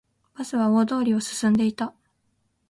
バスは大通りを進んでいた